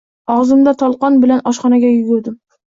Og‘zimda tolqon bilan oshxonaga yugurdim.